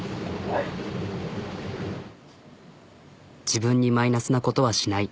自分にマイナスなことはしない。